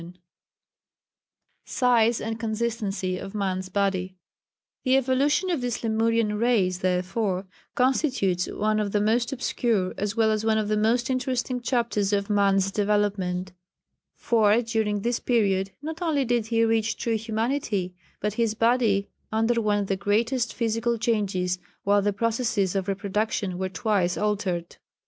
[Sidenote: Size and Consistency of Man's Body.] The evolution of this Lemurian race, therefore, constitutes one of the most obscure, as well as one of the most interesting, chapters of man's development, for during this period not only did he reach true humanity, but his body underwent the greatest physical changes, while the processes of reproduction were twice altered.